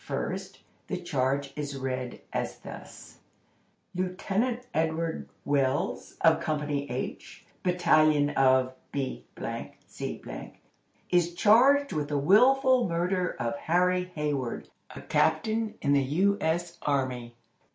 First, the charge is read, as thus: "Lieutenant Edward Wells, of Company H, Battalion of B—— C——, is charged with the willful murder of Harry Hayward, a captain in the U. S. army.